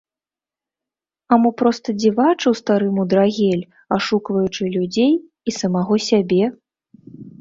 А мо проста дзівачыў стары мудрагель, ашукваючы людзей і самога сябе?